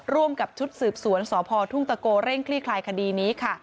ร่วมกับชุดสืบสวนสพทุ่งตะโกเร่งคลี่คลายคดีนี้ค่ะ